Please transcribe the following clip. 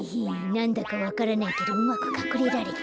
なんだかわからないけどうまくかくれられた。